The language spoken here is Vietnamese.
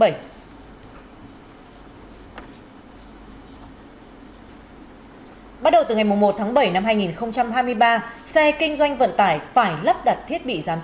em bắt đầu từ ngày mùng một tháng bảy năm hai nghìn hai mươi ba xe kinh doanh vận tải phải lắp đặt thiết bị giám